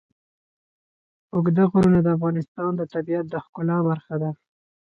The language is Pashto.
اوږده غرونه د افغانستان د طبیعت د ښکلا برخه ده.